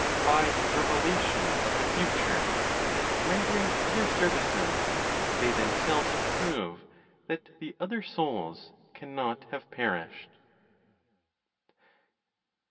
By revelation of the future; and rendering other services, they themselves prove that the other souls cannot have perished.